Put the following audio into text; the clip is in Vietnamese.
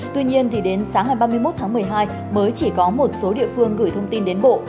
tuy nhiên đến sáng ngày ba mươi một tháng một mươi hai mới chỉ có một số địa phương gửi thông tin đến bộ